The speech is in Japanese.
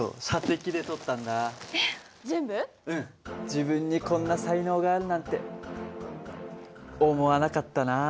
自分にこんな才能があるなんて思わなかったな。